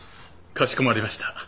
かしこまりました。